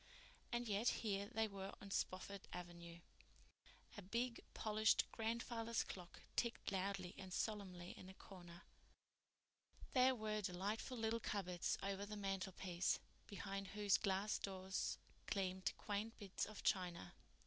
And yet here they were on Spofford Avenue! A big, polished grandfather's clock ticked loudly and solemnly in a corner. There were delightful little cupboards over the mantelpiece, behind whose glass doors gleamed quaint bits of china.